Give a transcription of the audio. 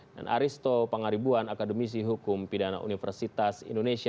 dan aristo pangaribuan akademisi hukum pidana universitas indonesia